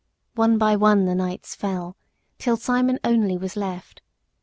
One by one the knights fell, till Simon only was left.